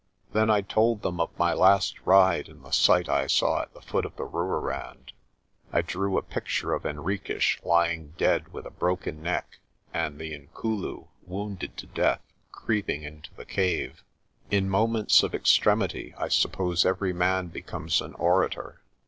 Then I told them of my last ride and the sight I saw at the foot of the Rooirand. I drew a picture of Henriques lying dead with a broken neck and the Inkulu, wounded to death, creeping into the cave. In moments of extremity I suppose every man becomes an orator.